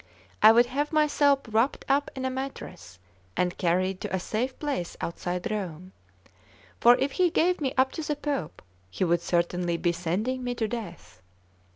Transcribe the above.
I would have myself wrapped up in a mattress, and carried to a safe place outside Rome; for if he gave me up to the Pope, he would certainly be sending me to death.